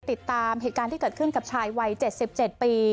ติดตามเหตุการณ์ที่เกิดขึ้นกับชายวัย๗๗ปี